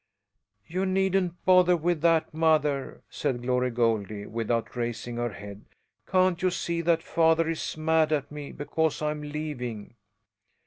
"You needn't bother with that, mother," said Glory Goldie without raising her head. "Can't you see that father is mad at me because I'm leaving?"